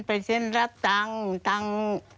ไปเซ็นรับตังฮี่ฟอง